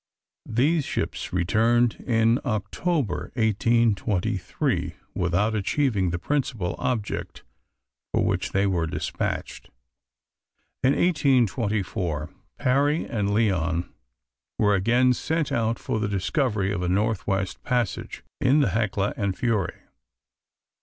These ships returned in October 1823, without achieving the principal object for which they were dispatched. In 1824 Parry and Lyon were again sent out for the discovery of a north west passage, in the Hecla and Fury.